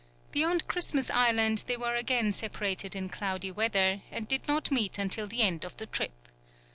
Beyond Christmas Island they were again separated in cloudy weather, and did not meet until the end of the trip.